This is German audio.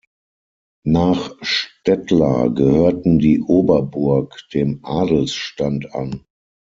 Nach Stettler gehörten die Oberburg dem Adelsstand an.